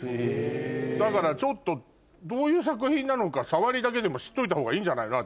だからちょっとどういう作品なのかさわりだけでも知っておいた方がいいんじゃないの？